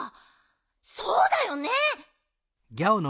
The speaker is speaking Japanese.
そうだよね。